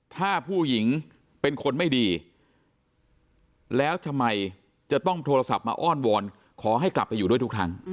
ถ้าผู้หญิงเป็นคนไม่ดีแล้วทำไมจะต้องโทรศัพท์มาอ้อนวอนขอให้กลับไปอยู่ด้วยทุกครั้ง